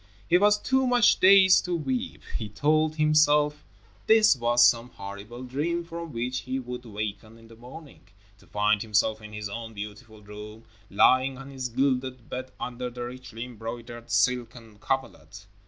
He was too much dazed to weep. He told himself this was some horrible dream from which he would waken in the morning, to find himself in his own beautiful room, lying on his gilded bed under the richly embroidered silken coverlet.